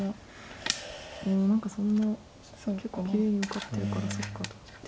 でも何かそんな結構桂向かってるからそっかと思って。